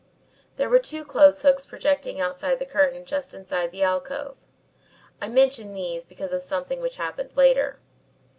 There were two clothes hooks projecting outside the curtain just inside the alcove. I mention these because of something which happened later.